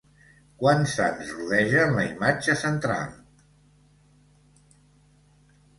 Quants sants rodegen la imatge central?